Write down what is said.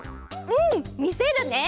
うんみせるね。